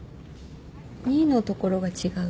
「ニ」のところが違う。